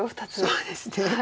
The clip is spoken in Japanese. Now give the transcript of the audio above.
そうですね。